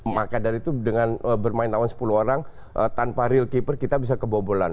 maka dari itu dengan bermain lawan sepuluh orang tanpa real keeper kita bisa kebobolan